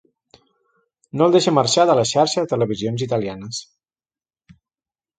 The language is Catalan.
No el deixa marxar de la xarxa de televisions italianes.